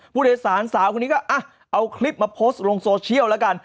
ผู้โดยสารสาวคนนี้ก็เอาคลิปมาโพสต์ลงโซเชียลแล้วกัน